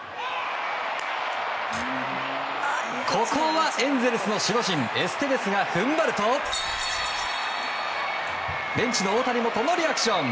ここはエンゼルスの守護神エステベスが踏ん張るとベンチの大谷もこのリアクション。